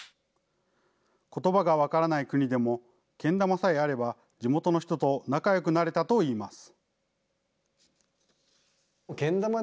ことばが分からない国でも、けん玉さえあれば、地元の人と仲よくなれたといいます。